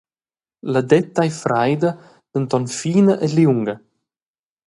La detta ei freida, denton fina e liunga.